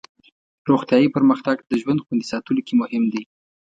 روغتیایي پرمختګ د ژوند خوندي ساتلو کې مهم دی.